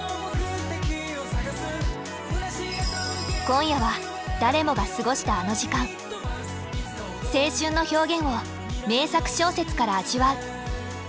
今夜は誰もが過ごしたあの時間青春の表現を名作小説から味わう。